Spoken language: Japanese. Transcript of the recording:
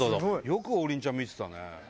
よく王林ちゃん見てたね。